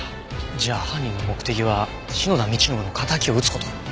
じゃあ犯人の目的は篠田道信の敵を討つ事？